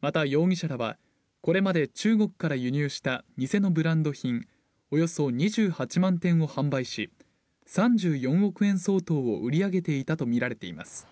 また容疑者らは、これまで中国から輸入した偽のブランド品およそ２８万点を販売し、３４億円相当を売り上げていたと見られています。